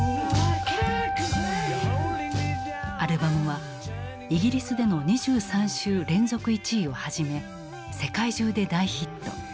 アルバムはイギリスでの２３週連続１位をはじめ世界中で大ヒット。